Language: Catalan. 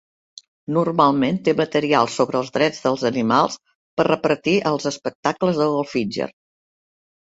Normalment té material sobre els drets dels animals per repartir als espectacles de Goldfinger.